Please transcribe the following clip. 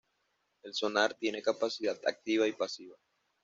El Sonar tiene capacidad activa y pasiva.